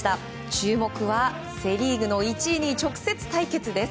注目は、セ・リーグの１位２位直接対決です。